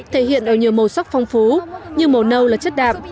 thể hiện ở nhiều màu sắc phong phú như màu nâu là chất đạm